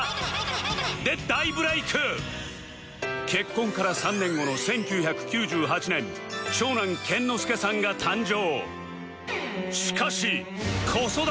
結婚から３年後の１９９８年長男健之介さんが誕生